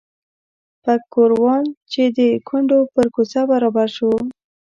پک ګوروان چې د کونډو پر کوڅه برابر شو.